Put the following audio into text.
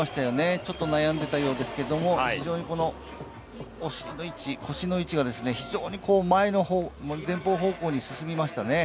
ちょっと悩んでいたようですけれども、腰の位置が非常に前方方向に進みましたね。